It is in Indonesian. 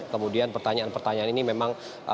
kemudian pertanyaan pertanyaan ini memang